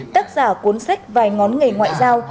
tác giả cuốn sách vài ngón nghề ngoại giao